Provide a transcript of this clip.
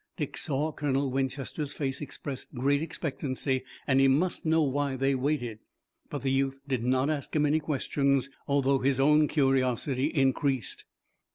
Dick saw Colonel Winchester's face express great expectancy and he must know why they waited, but the youth did not ask him any questions, although his own curiosity increased.